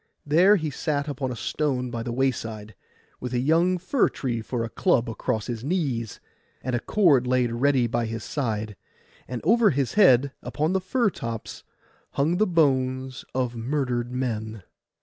There he sat upon a stone by the wayside, with a young fir tree for a club across his knees, and a cord laid ready by his side; and over his head, upon the fir tops, hung the bones of murdered men.